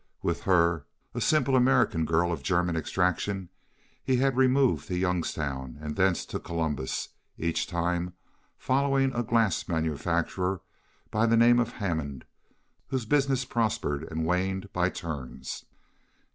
With her, a simple American girl of German extraction, he had removed to Youngstown, and thence to Columbus, each time following a glass manufacturer by the name of Hammond, whose business prospered and waned by turns.